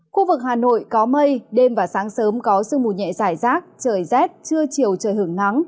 khu vực hà nội có mây đêm và sáng sớm có sương mù nhẹ dài rác trời rét trưa chiều trời hưởng nắng